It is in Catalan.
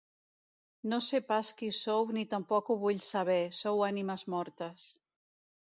No sé pas qui sou ni tampoc no ho vull saber, sou ànimes mortes.